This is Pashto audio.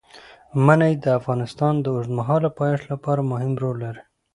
منی د افغانستان د اوږدمهاله پایښت لپاره مهم رول لري.